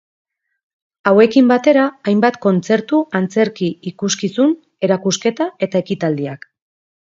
Hauekin batera, hainbat konztertu, antzerki ikuskizun, erakusketa eta ekitaldiak.